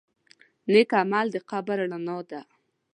نیک عمل د قبر رڼا ده.